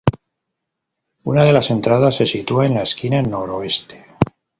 Una de las entradas se sitúa en la esquina noroeste.